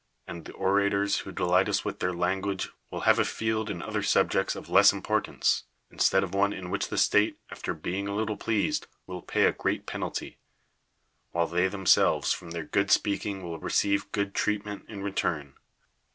And the orators who delight us with their lan guage will have a field in other subjects of less importance, instead of one in which the state, after being a little pleased, will pay a great pen alty; while they themselvas from their good speaking will receive good treatment in return.